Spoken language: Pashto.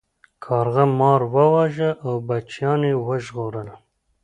کارغه مار وواژه او بچیان یې وژغورل.